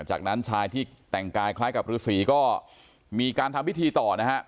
จากนั้นชายที่แต่งกายคล้ายกับฤษีก็มีการทำพิธีต่อนะครับ